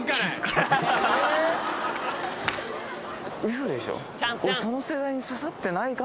嘘でしょ。